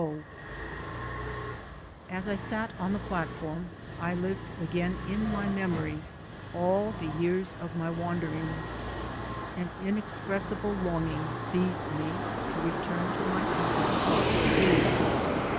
[1031 104 THE SOUL OF AN IMMIGRANT As I sat on the platform, I lived again in my memory all the years of my wanderings. An inex pressible longing seized me to return to my people across the sea.